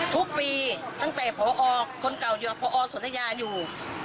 ทุกปีตั้งแต่ผอคนเก่าอยู่ผอสุนยาอยู่